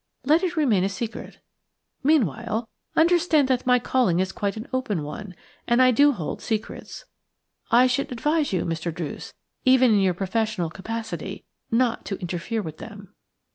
Let it remain a secret. Meanwhile, understand that my calling is quite an open one, and I do hold secrets. I should advise you, Mr. Druce, even in your professional capacity, not to interfere with them."